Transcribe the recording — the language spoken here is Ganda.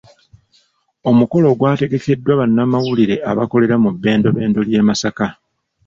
Omukolo ogwategekeddwa bannamawulire abakolera mu bbendobendo ly'e Masaka .